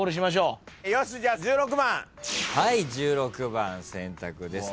１６番選択です。